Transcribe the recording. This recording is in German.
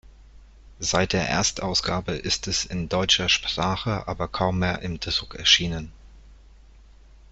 Seit der Erstausgabe ist es in deutscher Sprache aber kaum mehr im Druck erschienen.